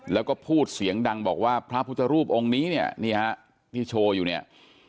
แล้วก็พูดเสียงดังบอกว่าพระพุทธรูปองค์นี้เนี่ยนี่ฮะที่โชว์อยู่เนี่ย